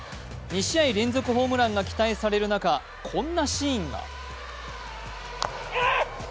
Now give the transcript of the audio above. ２試合連続ホームランが期待される中、こんなシーンが。